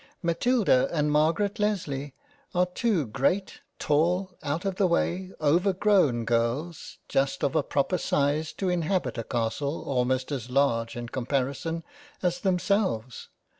Matilda and Margaret Lesley are two great, tall, out of the way, over grown, girls, just of a proper size to inhabit a Castle almost as large in comparison as them selves.